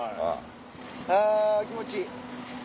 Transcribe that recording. あぁ気持ちいい。